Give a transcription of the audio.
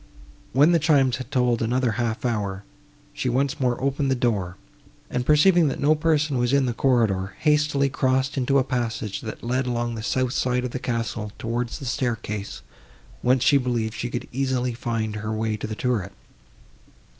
When the chimes had tolled another half hour, she once more opened the door, and, perceiving that no person was in the corridor, hastily crossed into a passage, that led along the south side of the castle towards the staircase, whence she believed she could easily find her way to the turret.